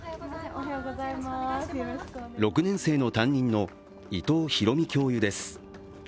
６年生の担任の伊藤裕美教諭です